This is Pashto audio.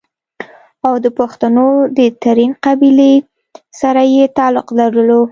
او دَپښتنو دَ ترين قبيلې سره ئې تعلق لرلو